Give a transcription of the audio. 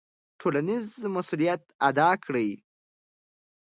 ټولنیز مسوولیت ادا کړئ.